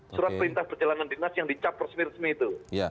surat perintah perjalanan dinas yang dicap persenir senir itu